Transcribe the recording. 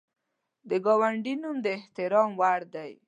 د ګاونډي نوم د احترام وړ دی